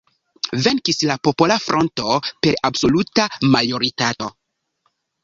Venkis la Popola Fronto per absoluta majoritato.